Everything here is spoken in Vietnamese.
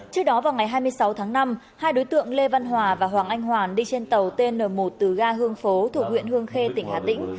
trước đó vào ngày hai mươi sáu tháng năm hai đối tượng lê văn hòa và hoàng anh hoàn đi trên tàu tn một từ ga hương phố thuộc huyện hương khê tỉnh hà tĩnh